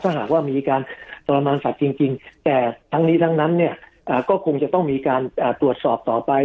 ถ้าหากว่ามีการทรมานสัตว์จริงแต่ทั้งนี้ทั้งนั้นเนี่ยก็คงจะต้องมีการตรวจสอบต่อไป